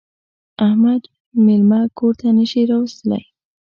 احمد مېلمه کور ته نه شي راوستلی.